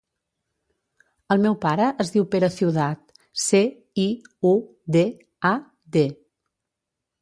El meu pare es diu Pere Ciudad: ce, i, u, de, a, de.